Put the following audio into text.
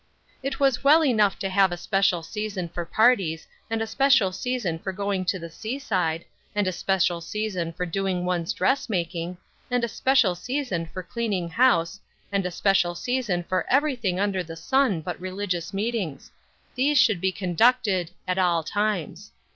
It was well enough to have a special season for parties, and a special season for going to the sea side, and a special season for doing one's dressmaking, and a special season for cleaning house, and a special season for everything under the sun but religious meetings; these should be conducted at all times.